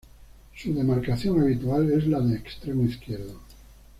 Su demarcación habitual es la de extremo izquierdo.